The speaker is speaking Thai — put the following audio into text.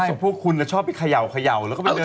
ใช่พวกคุณชอบไปเขย่าแล้วก็ไปเดิน